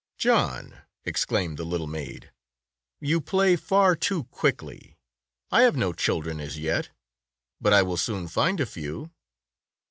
"John," exclaimed the little maid, "you play far too quickly! I have no children as yet, but I will soon find a few."